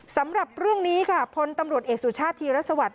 สำหรับเรื่องนี้ค่ะพลตำรวจเอกสุชาติธีรสวัสดิ